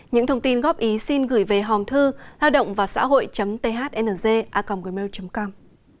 những thông tin góp ý xin gửi về hòm thư lao độngvàxãhội thng com